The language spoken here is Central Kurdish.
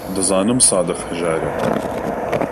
دەزانم سادق هەژارە.